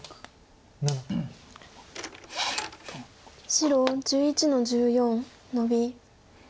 白１１の十四ノビ。